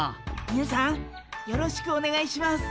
みなさんよろしくおねがいします。